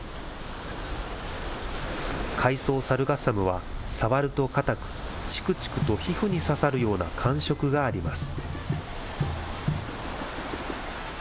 海藻、サルガッサムは触ると硬く、ちくちくと皮膚に刺さるような感触があります。